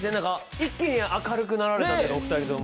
一気に明るくなられた、２人とも。